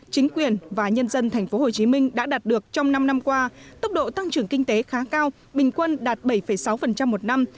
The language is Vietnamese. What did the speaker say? chính quyền và nhân dân tp hcm đã đạt được trong năm năm qua tốc độ tăng trưởng kinh tế khá cao bình quân đạt bảy sáu một năm